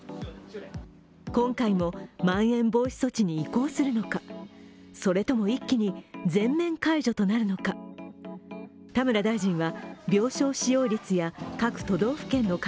今回もまん延防止措置に移行するのか、それとも一気に全面解除となるのか。